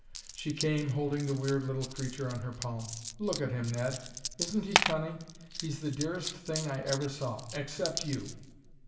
She came, holding the weird little creature on her palm. "Look at him, Ned! Isn't he cunning? He's the dearest thing I ever saw except you."